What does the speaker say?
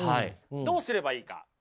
どうすればいいか。